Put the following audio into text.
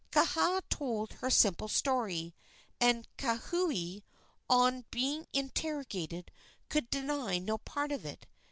Kaha told her simple story, and Kauhi, on being interrogated, could deny no part of it.